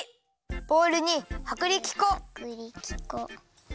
ボウルにはくりき粉。はくりき粉うわっ。